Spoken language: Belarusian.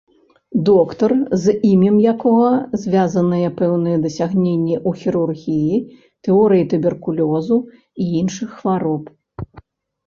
Доктар, з імем якога звязаныя пэўныя дасягненні ў хірургіі, тэорыі туберкулёзу і іншых хвароб.